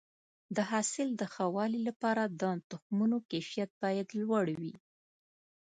د حاصل د ښه والي لپاره د تخمونو کیفیت باید لوړ وي.